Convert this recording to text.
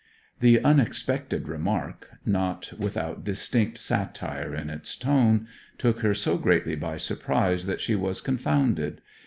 The unexpected remark, not without distinct satire in its tone, took her so greatly by surprise that she was confounded.